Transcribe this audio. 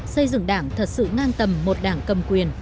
xây dựng đảng thật sự ngang tầm một đảng cầm quyền